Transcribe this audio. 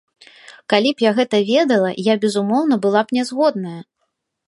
Калі б я гэта ведала, я, безумоўна, была б нязгодная.